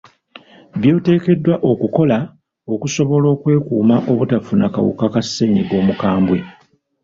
By’oteekeddwa okukola okukola okusobola okwekuuma obutafuna kawuka ka ssennyiga omukambwe.